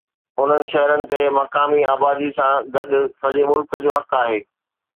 انهن شهرن تي مقامي آبادي سان گڏ سڄي ملڪ جو حق آهي.